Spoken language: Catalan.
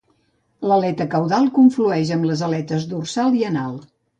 L'aleta caudal conflueix amb les aletes dorsal i anal.